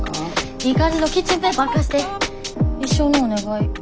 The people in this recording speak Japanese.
いい感じのキッチンペーパー貸して一生のお願い。